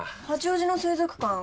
八王子の水族館。